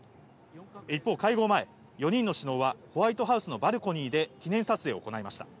一方、会合前、４人の首脳はホワイトハウスのバルコニーで記念撮影を行いました。